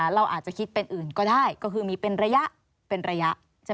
เราอาจจะคิดเป็นอื่นก็ได้ก็คือมีเป็นระยะเป็นระยะ